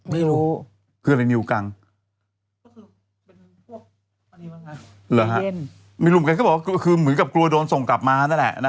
แปลนปรุงนิวกังอยู่แบบเหมือนควมส่งออกมา